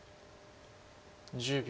１０秒。